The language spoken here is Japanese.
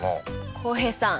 浩平さん